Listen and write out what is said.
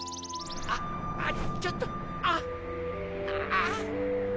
ああっちょっとあっあぁ。